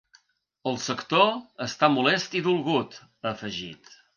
El sector està molest i dolgut, ha afegit.